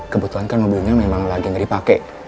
kebetulan kan mobilnya memang lagi ngeri pakai